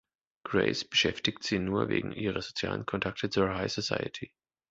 Grace beschäftigt sie nur wegen ihrer sozialen Kontakte zur High Society.